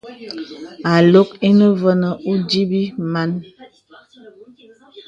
Ālok inə və ódǐbī mān.